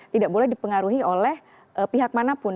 tidak boleh dipengaruhi oleh pihak manapun